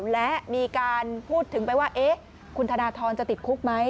และมีการพูดถึงไปว่าคุณธนทรจะติดคุกไหม